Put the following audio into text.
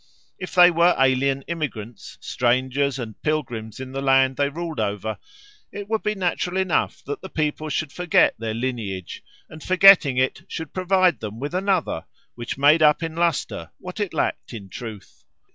If they were alien immigrants, strangers and pilgrims in the land they ruled over, it would be natural enough that the people should forget their lineage, and forgetting it should provide them with another, which made up in lustre what it lacked in truth.